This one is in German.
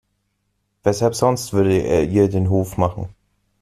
Weshalb sonst würde er ihr den Hof machen?